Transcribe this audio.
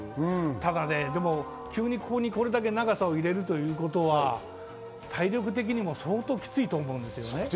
ただ急にこれだけ、ここに長さを入れるということは体力的にも相当きついと思うんですよ。